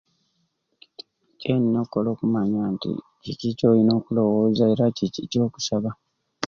Kyenina okola okumanya nti kiki kyoyina okulowoza era kiki kyokusaba